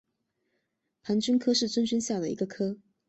盘菌科是真菌下的一个科。